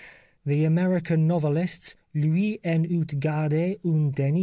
The American novelists lui en ont gard^ une dent.